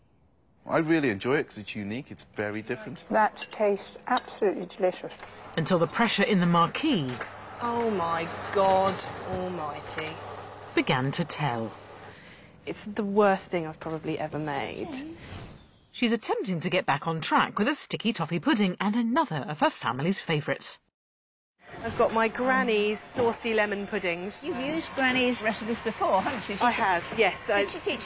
はい。